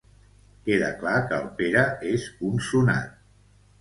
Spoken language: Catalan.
Queda clar que el Pere és un sonat.